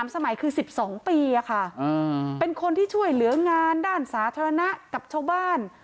สมัยคือ๑๒ปีเป็นคนที่ช่วยเหลืองานด้านสาธารณะกับชาวบ้าน